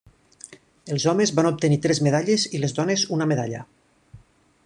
Els homes van obtenir tres medalles i les dones una medalla.